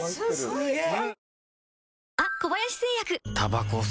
・すげえ！